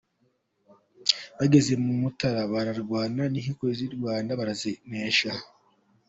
Bageze mu Mutara barwana n’inkiko z’u Rwanda barazinesha.